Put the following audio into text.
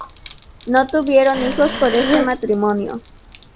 No tuvieron hijos por este matrimonio.